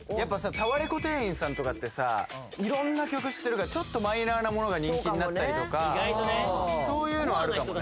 タワレコ店員さんとかってさいろんな曲知ってるからちょっとマイナーなものが人気になったりとか意外とねコアな人たちそういうのあるかもね